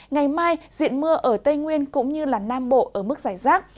ngày mai diện mưa ở tây nguyên cũng như nam bộ ở mức giải rác